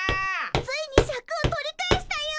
ついにシャクを取り返したよ！